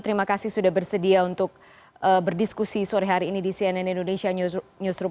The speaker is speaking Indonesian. terima kasih sudah bersedia untuk berdiskusi sore hari ini di cnn indonesia newsroom